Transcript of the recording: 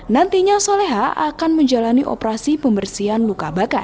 nantinya soleha akan menjalani operasi pembersihan luka bakar